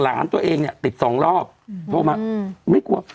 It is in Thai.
หลานตัวเองเนี่ยติดสองรอบโทรมาไม่กลัว